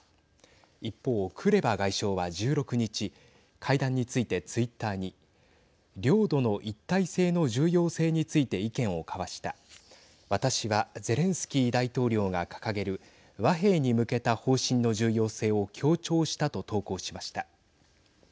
一方、クレバ外相は１６日会談についてツイッターに領土の一体性の重要性について意見を交わした私はゼレンスキー大統領が掲げる和平に向けた方針の重要性を強調したと投稿しました。